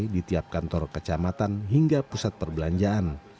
di tiap kantor kecamatan hingga pusat perbelanjaan